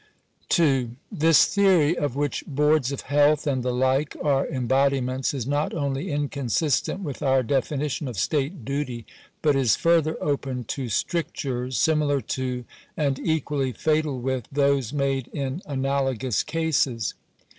§2. This theory, of which Boards of Health and the like are embodiments, is not only inconsistent with our definition of state duty, but is further open to strictures, similar to, and equally fatal with, those made in analogous cases.